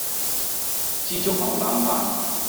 枝竹牛腩飯